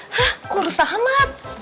hah kurus amat